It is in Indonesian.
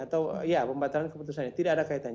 tidak ada kaitannya